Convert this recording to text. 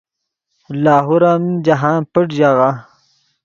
لاہور ام جاہند پݯ ژاغہ